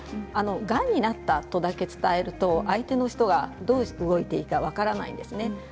がんとなったとだけ伝えると相手がどう動いていいのか分からないんですね。